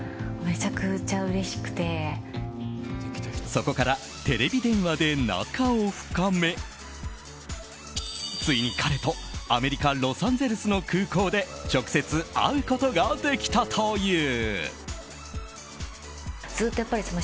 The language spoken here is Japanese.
そこからテレビ電話で仲を深めついに彼とアメリカ・ロサンゼルスの空港で直接会うことができたという。